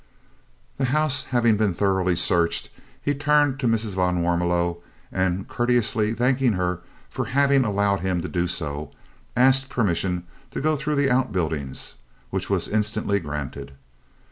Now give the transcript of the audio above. The house having been thoroughly searched, he turned to Mrs. van Warmelo and, courteously thanking her for having allowed him to do so, asked permission to go through the out buildings, which was instantly granted.